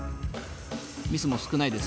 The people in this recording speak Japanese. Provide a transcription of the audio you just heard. ミスも少ないです。